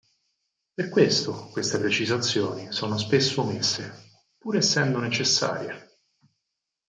Per questo queste precisazioni sono spesso omesse, pur essendo necessarie.